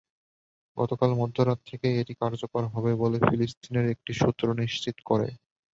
গতকাল মধ্যরাত থেকেই এটি কার্যকর হবে বলে ফিলিস্তিনের একটি সূত্র নিশ্চিত করে।